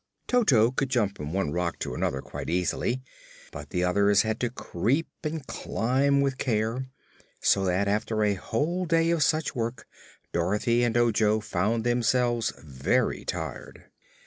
Toto could jump from one rock to another quite easily, but the others had to creep and climb with care, so that after a whole day of such work Dorothy and Ojo found themselves very tired.